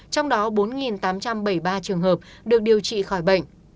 trong đó bốn tám trăm bảy mươi ba trường hợp